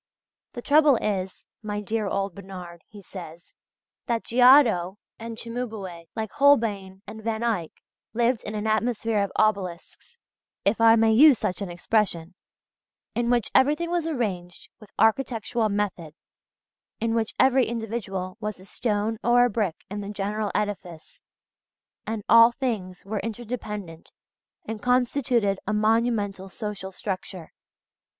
"The trouble is, my dear old Bernard," he says, "that Giotto and Cimabue, like Holbein and Van Eyck, lived in an atmosphere of obelisks if I may use such an expression in which everything was arranged with architectural method, in which every individual was a stone or a brick in the general edifice, and all things were interdependent and constituted a monumental social structure....